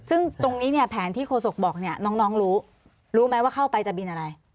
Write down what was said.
ซึ่งตรงนี้เนี่ยแผนที่โฆษกบอกเนี่ยน้องรู้รู้ไหมว่าเข้าไปจะบินอะไร